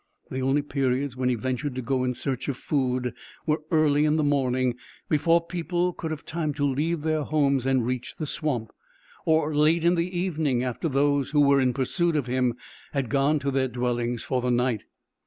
The only periods when he ventured to go in search of food, were early in the morning, before people could have time to leave their homes and reach the swamp: or late in the evening, after those who were in pursuit of him had gone to their dwellings for the night.